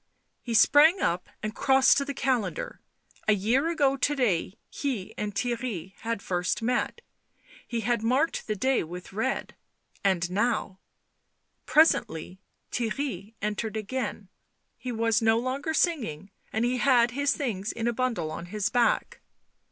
He sprang up and crossed to the calendar ; a year ago to day he and Theirry had first met; he had marked the day with red — and now Presently Theirry entered again ; he was no longer singing, and he had his things in a bundle on his back.